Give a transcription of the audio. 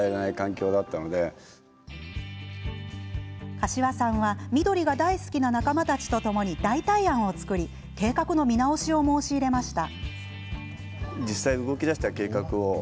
柏さんは緑が大好きな仲間たちとともに代替案を作り計画の見直しを申し入れました。